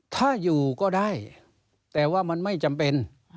ถ้าอยู่ก็ได้แต่ว่ามันไม่จำเป็น